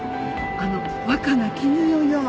あの若菜絹代よ。